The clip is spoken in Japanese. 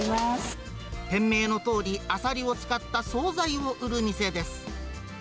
店名のとおり、あさりを使った総菜を売る店です。